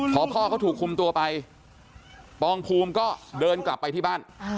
พอพ่อเขาถูกคุมตัวไปปองภูมิก็เดินกลับไปที่บ้าน